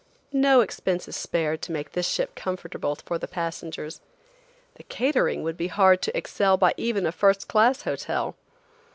No expense is spared to make this ship comfortable for the passengers. The catering would be hard to excel by even a first class hotel.